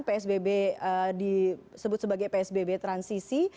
psbb disebut sebagai psbb transisi